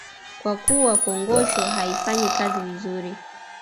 Kwa kuwa kongosho haifanyi kazi vizuri